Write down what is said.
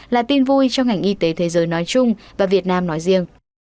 là tin vui cho ngành y tế thế giới nói chung và việt nam nói riêng